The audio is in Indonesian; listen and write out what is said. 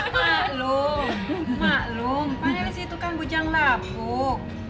maklum maklum pak nelisi itu kan bujang lapuk